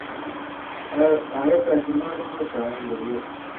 هغه که حاکمان وو که عام رعیت.